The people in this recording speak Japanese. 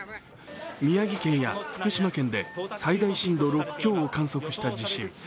宮城県や福島県で最大震度６強を観測した地震。